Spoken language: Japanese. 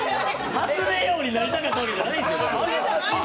発明王になりたかったわけじゃないんです。